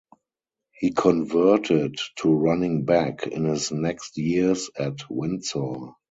He converted to running back in his next years at Windsor.